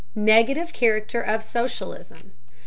NEGATIVE CHARACTER OF SOCIALISM.